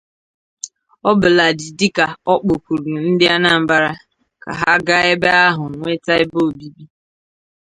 ọbụladị dịka ọ kpọkuru ndị Anambra ka ha gaa ebe ahụ nweta ebe obibi